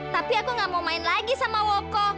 tapi aku gak mau main lagi sama woko